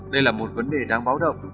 đây là một vấn đề đáng báo động